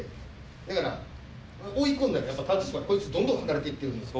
だから追い込んだらやっぱ立ち位置からこいつどんどん離れていってるんですよ。